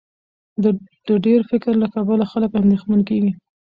د ډېر فکر له کبله خلک اندېښمن کېږي.